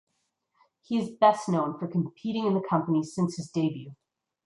He is best known for competing in the company since his debut.